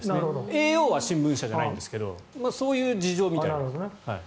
叡王は新聞社じゃないですがそういう事情みたいです。